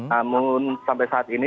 namun sampai saat ini